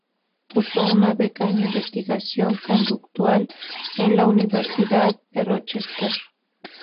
Cursó una beca en Investigación Conductual en la Universidad de Rochester.